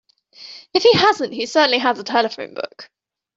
If he hasn't he certainly has a telephone book.